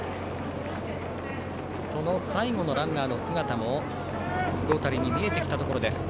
最後のランナーの姿もロータリーに見えてきたところ。